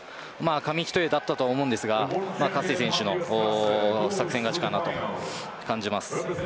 紙一重だったと思うんですがカッセ選手の作戦勝ちかなと感じます。